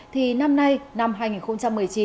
thì năm nay năm hai nghìn một mươi chín